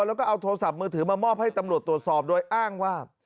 แล้วก็เอาโทรศัพท์มือถือมามอบให้ตำรวจตรวจสอบโดยอ้างว่า